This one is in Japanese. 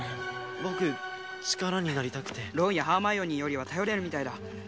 僕力になりたくてロンやハーマイオニーよりは頼れるみたいだ